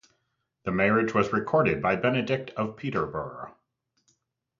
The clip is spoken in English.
The marriage was recorded by Benedict of Peterborough.